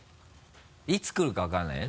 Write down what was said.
いつ来るか分からないよ？